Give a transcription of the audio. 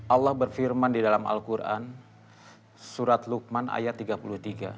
allah berfirman di dalam al quran surat lukman ayat tiga puluh tiga